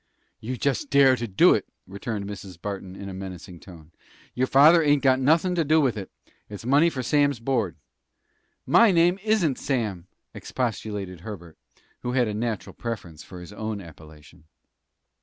"You jest dare to do it!" returned Mrs. Barton, in a menacing tone. "Your father ain't got nothin' to do with it. It's money for Sam's board." "My name isn't Sam," expostulated Herbert, who had a natural preference for his own appellation.